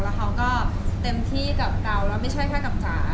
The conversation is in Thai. แล้วเขาก็เต็มที่กับเราแล้วไม่ใช่แค่กับจ๋า